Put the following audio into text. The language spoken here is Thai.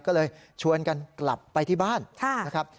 ก็เลยชวนกันกลับไปที่บ้านนะครับ